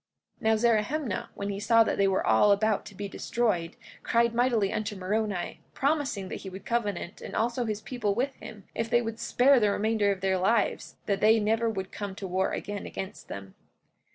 44:19 Now Zerahemnah, when he saw that they were all about to be destroyed, cried mightily unto Moroni, promising that he would covenant and also his people with them, if they would spare the remainder of their lives, that they never would come to war again against them.